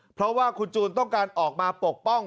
เพราะว่าคุณจูนต้องการออกมาปกป้อง